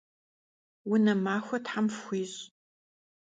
Vune maxue them fxuiş'!